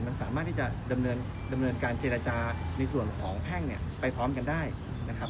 มันสามารถที่จะดำเนินการเจรจาในส่วนของแพ่งเนี่ยไปพร้อมกันได้นะครับ